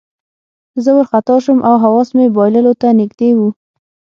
زه وارخطا شوم او حواس مې بایللو ته نږدې وو